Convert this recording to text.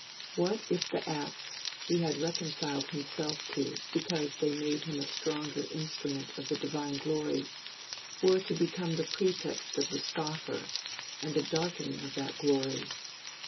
What if the acts he had reconciled himself to because they made him a stronger instrument of the divine glory, were to become the pretext of the scoffer, and a darkening of that glory?